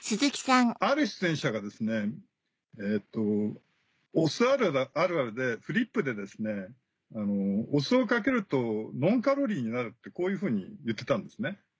ある出演者がお酢あるあるでフリップで「お酢をかけるとノンカロリーになる」ってこういうふうに言ってたんですね。